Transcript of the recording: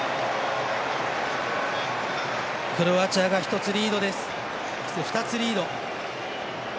クロアチアが２つリードです。